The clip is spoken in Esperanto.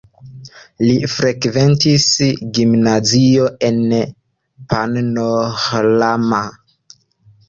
Li frekventis gimnazion en Pannonhalma.